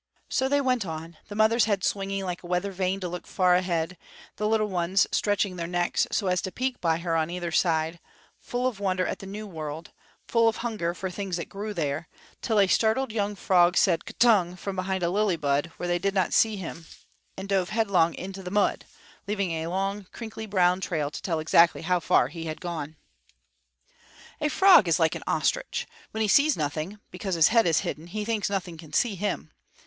So they went on, the mother's head swinging like a weather vane to look far ahead, the little ones stretching their necks so as to peek by her on either side, full of wonder at the new world, full of hunger for things that grew there, till a startled young frog said K'tung! from behind a lily bud, where they did not see him, and dove headlong into the mud, leaving a long, crinkly, brown trail to tell exactly how far he had gone. A frog is like an ostrich. When he sees nothing, because his head is hidden, he thinks nothing can see him.